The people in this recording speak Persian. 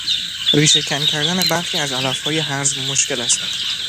ریشه کن کردن برخی از علفهای هرزه مشکل است.